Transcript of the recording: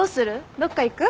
どっか行く？